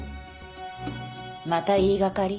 また言いがかり？